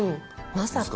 まさか。